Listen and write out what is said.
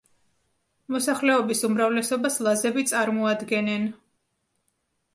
მოსახლეობის უმრავლესობას ლაზები წარმოადგენენ.